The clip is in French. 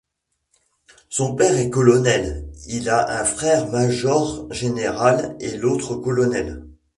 Son père est colonel, il a un frère major général et l'autre colonel.